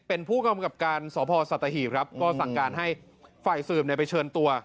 เป็นผู้กำกับการสพสัตหีบครับก็สั่งการให้ฝ่ายสืบไปเชิญตัว